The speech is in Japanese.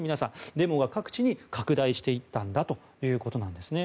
デモが各地に拡大していったんだということなんですね。